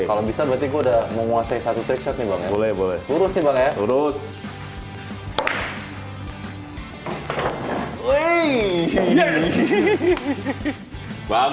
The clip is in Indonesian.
kalau bisa berarti gue udah mau menguasai satu trickshot nih bang ya